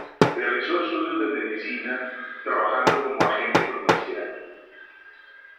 Realizó estudios de medicina, trabajando como agente comercial.